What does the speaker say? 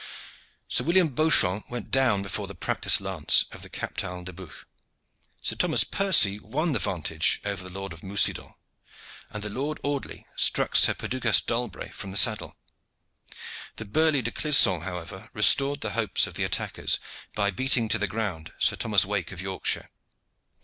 Sir William Beauchamp went down before the practiced lance of the Captal de Buch. Sir Thomas Percy won the vantage over the Lord of Mucident, and the Lord Audley struck Sir Perducas d'Albret from the saddle. The burly De Clisson, however, restored the hopes of the attackers by beating to the ground Sir Thomas Wake of Yorkshire.